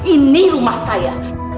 ini rumah saya